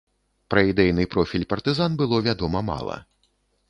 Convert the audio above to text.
Пра ідэйны профіль партызан было вядома мала.